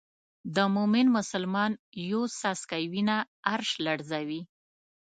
د مومن مسلمان یو څاڅکی وینه عرش لړزوي.